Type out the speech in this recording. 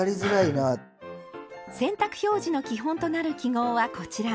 洗濯表示の基本となる記号はこちら。